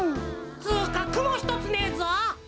つかくもひとつねえぞ！